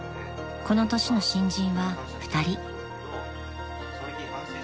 ［この年の新人は２人］